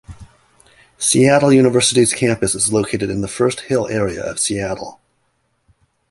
Seattle University's campus is located in the First Hill area of Seattle.